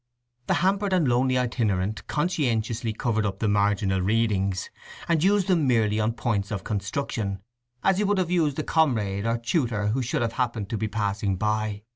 The hampered and lonely itinerant conscientiously covered up the marginal readings, and used them merely on points of construction, as he would have used a comrade or tutor who should have happened to be passing by.